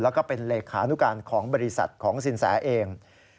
และก็เป็นเหลียร์ขานุการณ์ของบริษัทของสินสาเอง